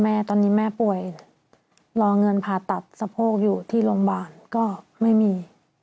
แม่ตอนนี้แม่ป่วยรอเงินผ่าตัดสะโพกอยู่ที่โรงพยาบาลก็ไม่มี